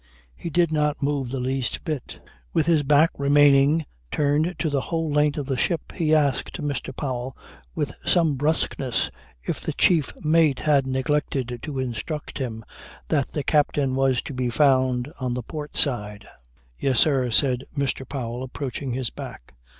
He did not move the least bit. With his back remaining turned to the whole length of the ship he asked Mr. Powell with some brusqueness if the chief mate had neglected to instruct him that the captain was to be found on the port side. "Yes, sir," said Mr. Powell approaching his back.